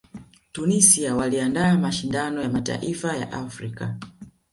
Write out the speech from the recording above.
tunisia waliandaa mashindano ya mataifa ya afrika